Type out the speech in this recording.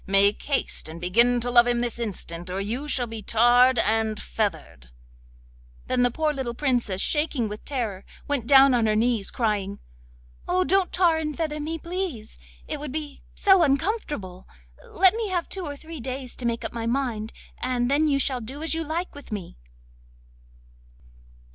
Make haste and begin to love him this instant, or you shall be tarred and feathered.' Then the poor little Princess, shaking with terror, went down on her knees, crying: 'Oh, don't tar and feather me, please! It would be so uncomfortable. Let me have two or three days to make up my mind, and then you shall do as you like with me.